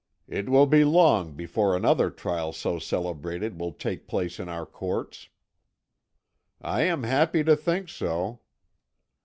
It will be long before another trial so celebrated will take place in our courts." "I am happy to think so."